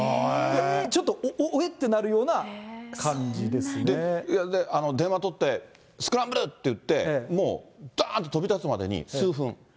ちょっと、おえってなるような感で、電話取って、スクランブル！って言って、もうだーっと飛び立つまでに数分？